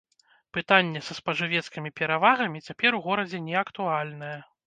Пытанне са спажывецкімі перавагамі цяпер у горадзе неактуальнае.